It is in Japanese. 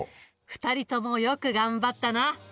２人ともよく頑張ったな。